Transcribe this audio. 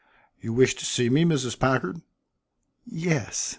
"You wish to see me, Mrs. Packard?" "Yes."